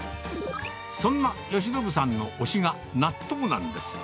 そんなよしのぶさんの推しが納豆なんです。